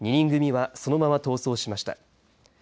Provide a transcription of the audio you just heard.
２人組はそのまま逃走しました。